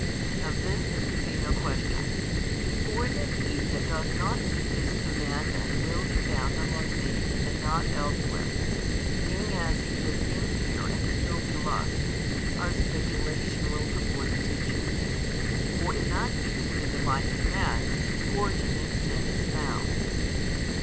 Of this there can be no question. For that he that doth not keep His commandment will be found among these and not elsewhere, being as he is impure and of filthy lusts, our speculation will perforce teach you. For in not keeping the Divine commands the origin of sin is found.